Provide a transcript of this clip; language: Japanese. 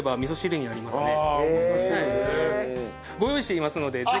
ご用意していますのでぜひ。